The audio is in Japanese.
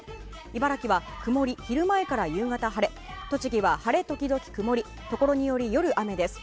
茨城は曇り昼前から夕方晴れ栃木は晴れ時々曇り所により夜、雨です。